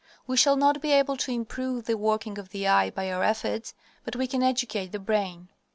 We shall not be able to improve the working of the eye by our efforts, but we can educate the brain.